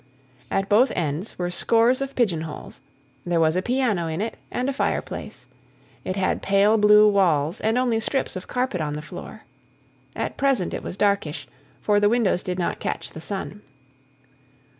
At both ends were scores of pigeon holes. There was a piano in it and a fireplace; it had [P.45] pale blue walls, and only strips of carpet on the floor. At present it was darkish, for the windows did not catch the sun.